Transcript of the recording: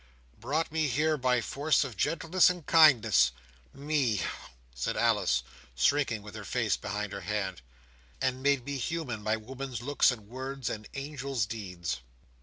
"Brought me here, by force of gentleness and kindness. Me!" said Alice, shrinking with her face behind her hand, "and made me human by woman's looks and words, and angel's deeds!"